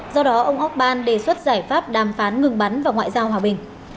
do đó ông orbán đề xuất giải pháp đàm phán ngừng bắn và ngoại giao hòa bình